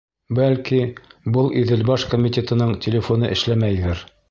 Бәлки, был Иҙелбаш комитетының телефоны эшләмәйҙер.